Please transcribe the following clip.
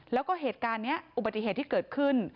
แล้วก็เหตุการณ์นี้อุบัติเหตุที่เกิดขึ้น